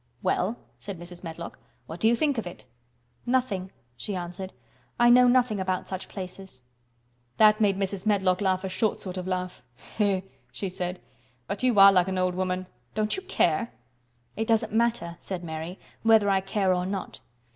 "Well," said Mrs. Medlock. "What do you think of it?" "Nothing," she answered. "I know nothing about such places." That made Mrs. Medlock laugh a short sort of laugh. "Eh!" she said, "but you are like an old woman. Don't you care?" "It doesn't matter" said Mary, "whether I care or not."